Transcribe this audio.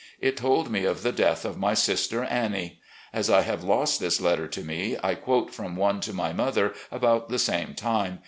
It told me of the death 01 my sister Annie. As I have lost this letter to me, I quote from one to my mother about the same time.